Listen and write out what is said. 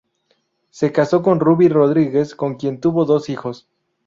Se casó con Ruby Rodríguez con quien tuvo dos hijos.